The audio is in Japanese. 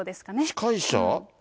司会者？